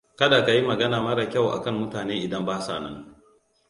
Kada ka yi magana mara kyau akan mutane idan basa nan.